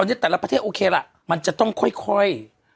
วันนี้แต่ละประเทศโอเคล่ะมันจะต้องค่อย